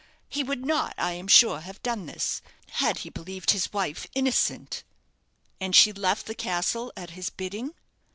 He would not, I am sure, have done this, had he believed his wife innocent." "And she left the castle at his bidding?"